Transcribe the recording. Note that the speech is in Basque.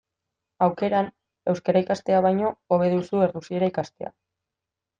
Aukeran, euskara ikastea baino, hobe duzu errusiera ikastea.